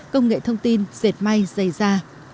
công nghệ thông tin dệt may dày da